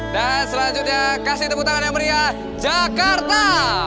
dan selanjutnya kasih tepuk dengan yang lebih meriah jakarta